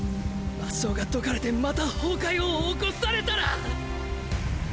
抹消が解かれてまた崩壊を起こされたら！